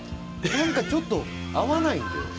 何かちょっと合わないんだよ。